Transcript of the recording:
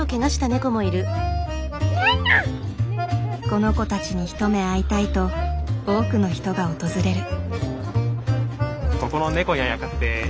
この子たちに一目会いたいと多くの人が訪れる。